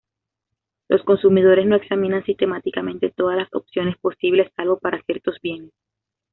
Los consumidores no examinan sistemáticamente todas las opciones posibles, salvo para ciertos bienes.